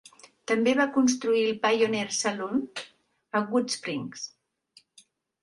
També va construir el "Pioneer Saloon" a Goodsprings.